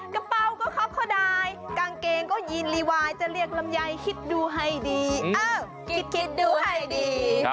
กระเป๋าก็ครับเขาได้กางเกงก็ยีนรีวายจะเรียกลำไยคิดดูให้ดีอ้าวคิดดูให้ดี